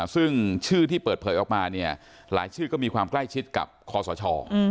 ซึ่งชื่อที่เปิดเผยออกมาเนี่ยหลายชื่อก็มีความใกล้ชิดกับคอสช